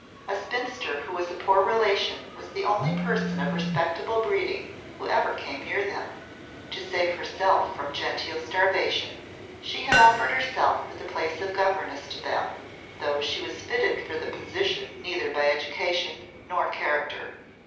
A spinster who was a poor relation was the only person of respectable breeding who ever came near them. To save herself from genteel starvation, she had offered herself for the place of governess to them, though she was fitted for the position neither by education nor character.